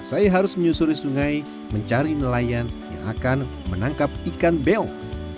saya harus menyusuri sungai mencari nelayan yang akan menangkap ikan mebeong